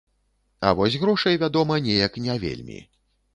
А вось грошай, вядома, неяк не вельмі.